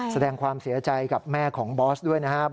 แสดงความเสียใจกับแม่ของบอสด้วยนะครับ